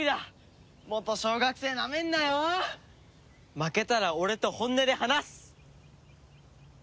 負けたら俺と本音で話す。